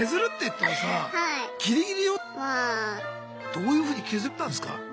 どういうふうに削ったんすか？